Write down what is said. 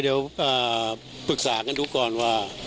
เดี๋ยวผมก็จะต้องพรึกษากันด้วย